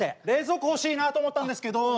冷蔵庫欲しいなと思ったんですけど。